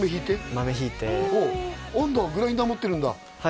豆ひいてあるんだグラインダー持ってるんだは